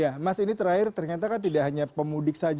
ya mas ini terakhir ternyata kan tidak hanya pemudik saja